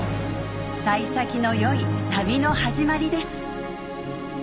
幸先の良い旅の始まりです